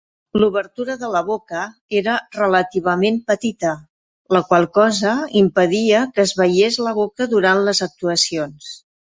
L'obertura de la boca era relativament petita, la qual cosa impedia que es veiés la boca durant les actuacions.